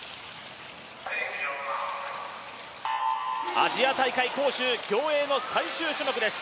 アジア大会杭州競泳の最終種目です。